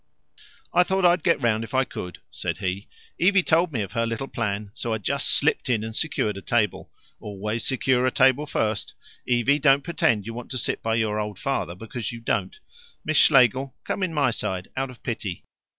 "I thought I'd get round if I could," said he. "Evie told me of her little plan, so I just slipped in and secured a table. Always secure a table first. Evie, don't pretend you want to sit by your old father, because you don't. Miss Schlegel, come in my side, out of pity.